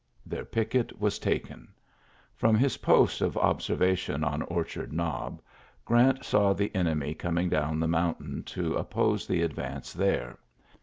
Their picket was taken. Prom his post of observation on Orchard Ejiob, Grant saw the enemy coming down the moun tain to oppose the advance there.